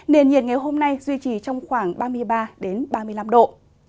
nền nhiệt ngày hôm nay duy trì trong khoảng ba mươi ba ba mươi năm độ